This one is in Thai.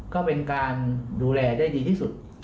ก็เป็นการดูแลได้ดีที่สุด